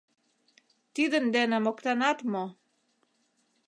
Тидын дене моктанат мо.